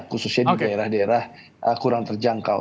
khususnya di daerah daerah kurang terjangkau